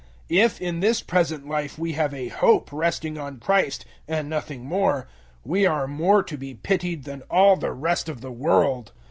015:019 If in this present life we have a *hope* resting on Christ, and nothing more, we are more to be pitied than all the rest of the world.